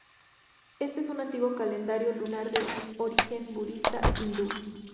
Éste es un antiguo calendario lunar de origen budista-hindú.